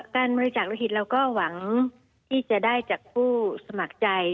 การบริจาคโลหิตเราก็หวังที่จะได้จากผู้สมัครใจ